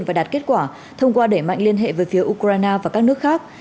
và đạt kết quả thông qua để mạnh liên hệ với phía ukraine và các nước khác